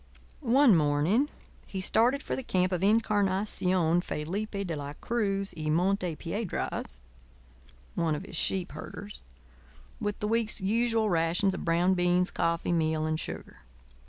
One morning he started for the camp of Incarnación Felipe de la Cruz y Monte Piedras (one of his sheep herders) with the week's usual rations of brown beans, coffee, meal, and sugar.